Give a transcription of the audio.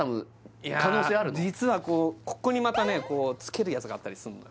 いや実はこうここにまたねつけるやつがあったりすんのよ